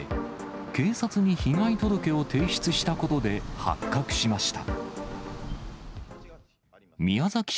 警察に被害届を提出したことで発覚しました。